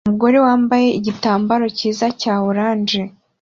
Umugore wambaye igitambaro cyiza cya orange